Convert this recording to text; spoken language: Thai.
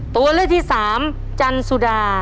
ตัวเลิศที่๓จันทรุดา